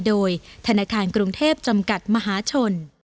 โดยธนาคารกรุงเทพจำกัดมหาชน